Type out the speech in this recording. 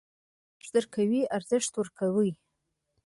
چې ارزښت درکوي، ارزښت ورکړئ.